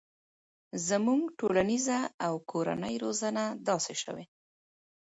زموږ ټولنیزه او کورنۍ روزنه داسې شوي